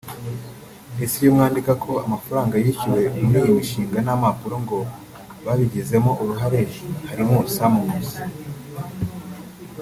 Ese iyo mwandika ko amafaranga yishyuwe muri iyi mishinga nta mpapuro ngo mu babigizemo uruhare harimo Sam Nkusi